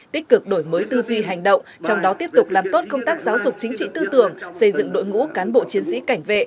tích cực đổi mới tư duy hành động trong đó tiếp tục làm tốt công tác giáo dục chính trị tư tưởng xây dựng đội ngũ cán bộ chiến sĩ cảnh vệ